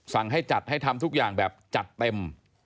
สั่งให้จัดให้ทำทุกอย่างแบบจัดเต็ม